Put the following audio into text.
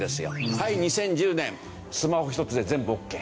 はい２０１０年スマホ１つで全部オッケー。